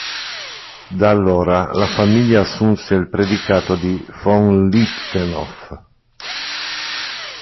Da allora la famiglia assunse il predicato di "von Lichtenhof".